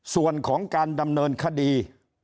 ส่วนของการดำเนินคดี